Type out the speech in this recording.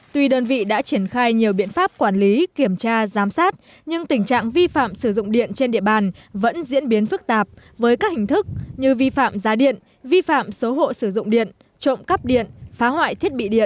tuy đơn vị đã triển khai nhiều biện pháp quản lý kiểm tra giám sát nhưng tình trạng vi phạm sử dụng điện trên địa bàn vẫn diễn biến phức tạp với các hình thức như vi phạm giá điện vi phạm số hộ sử dụng điện trộm cắp điện phá hoại thiết bị điện